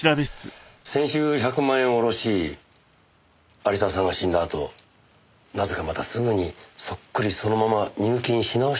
先週１００万円を下ろし有沢さんが死んだあとなぜかまたすぐにそっくりそのまま入金し直してますよね。